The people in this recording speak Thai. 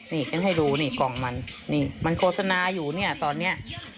นี่ฉันให้ดูนี่กล่องมันนี่มันโฆษณาอยู่เนี่ยตอนเนี้ย